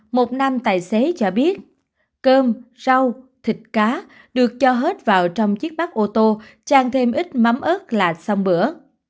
một nam tài xế cho biết cơm rau thịt cá được cho hết vào trong chiếc bắp ô tô trang thêm ít mắm ớt là xong bữa